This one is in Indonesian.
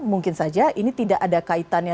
mungkin saja ini tidak ada kaitannya